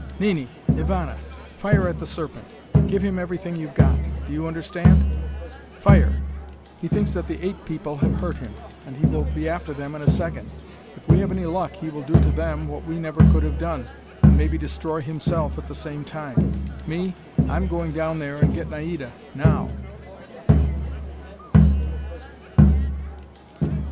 "Nini! Ivana! Fire at the Serpent. Give him everything you've got! Do you understand? Fire! He thinks that the ape people have hurt him, and he will be after them in a second. If we have any luck, he will do to them what we never could have done, and maybe destroy himself at the same time! Me, I'm going down there and get Naida now!"